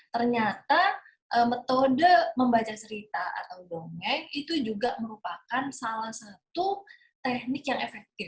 ternyata metode membaca cerita atau dongeng itu juga merupakan salah satu teknik yang efektif